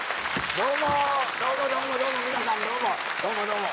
どうもどうも。